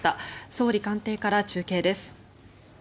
総理官邸から中継です。